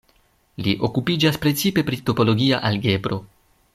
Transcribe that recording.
Li okupiĝas precipe pri topologia algebro.